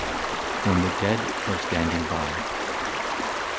56 WHEN THE DEAD ARE STANDING BY.